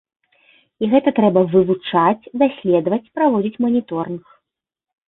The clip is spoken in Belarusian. І гэта трэба вывучаць, даследаваць, праводзіць маніторынг.